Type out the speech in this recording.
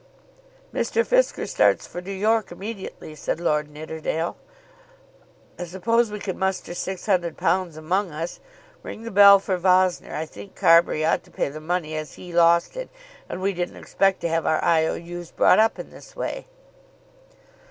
"Mr. Fisker starts for New York immediately," said Lord Nidderdale. "I suppose we can muster £600 among us. Ring the bell for Vossner. I think Carbury ought to pay the money as he lost it, and we didn't expect to have our I.O.U.'s brought up in this way."